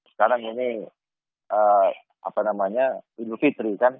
sekarang ini apa namanya indovitri kan